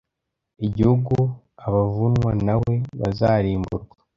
igihugu Abavunwa na we bazarimburwa